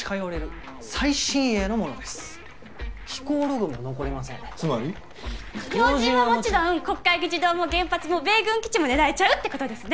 要人はもちろん要人はもちろん国会議事堂も原発も米軍基地も狙えちゃうってことですね